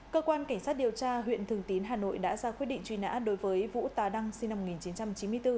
cơ quan cảnh sát điều tra huyện thường tín hà nội đã ra quyết định truy nã đối với vũ tà đăng sinh năm một nghìn chín trăm chín mươi bốn